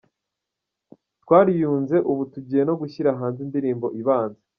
"Twariyunze, ubu tugiye no gushyira hanze indirimbo ibanza.